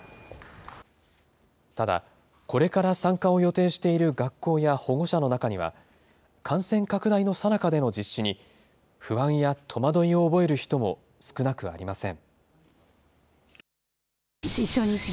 ただ、これから参加を予定している学校や保護者の中には、感染拡大のさなかでの実施に、不安や戸惑いを覚える人も少なくありません。